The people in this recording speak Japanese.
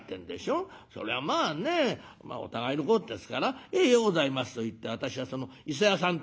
そりゃまあねお互いのことですから『ええようございます』と言って私はその伊勢屋さん